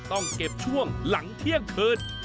ต้องเก็บช่วงหลังเที่ยงคืน